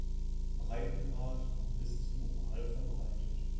Breitengrad und bis zum Ural verbreitet.